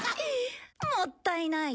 もったいない！